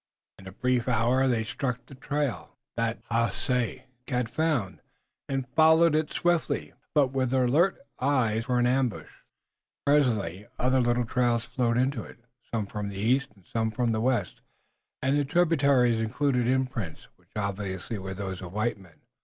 In a brief hour they struck the trail that Haace had found, and followed it swiftly, but with alert eyes for ambush. Presently other little trails flowed into it, some from the east, and some from the west, and the tributaries included imprints, which obviously were those of white men.